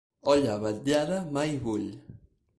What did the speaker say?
Olla vetllada mai bull.